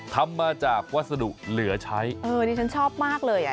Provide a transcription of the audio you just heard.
ทำมาจากวัสดุเหลือใช้นี่ฉันชอบมากเลยเก๋มาก